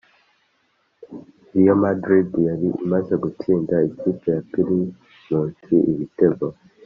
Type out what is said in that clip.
real madrid yari imaze gutsinda ikipe yapirimusi ibitego